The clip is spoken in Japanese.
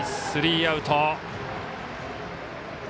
スリーアウト。